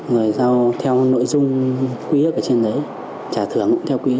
rồi sau theo nội dung